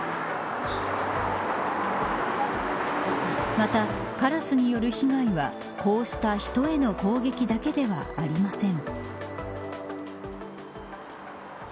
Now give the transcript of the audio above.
また、カラスによる被害はこうした人への攻撃だけではありません。